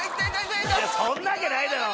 そんなわけないだろ。